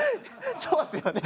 そうっすよね。